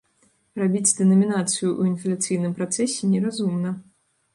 Рабіць дэнамінацыю ў інфляцыйным працэсе неразумна.